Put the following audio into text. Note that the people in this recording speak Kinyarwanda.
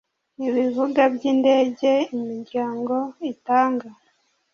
ibibuga by indege imiryango itanga